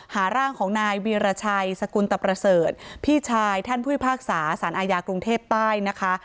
ร่างของนายวีรชัยสกุลตะประเสริฐพี่ชายท่านผู้พิพากษาสารอาญากรุงเทพใต้นะคะ